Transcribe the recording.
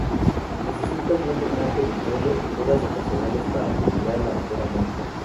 Necesita un buen drenaje del suelo y podas ocasionales para retirar la madera muerta.